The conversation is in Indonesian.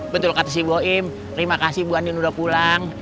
betul kata si bu im terima kasih bu andin udah pulang